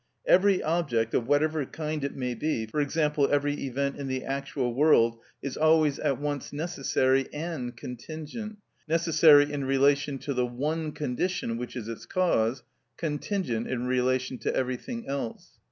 Every object, of whatever kind it may be—for example, every event in the actual world—is always at once necessary and contingent, necessary in relation to the one condition which is its cause: contingent in relation to everything else.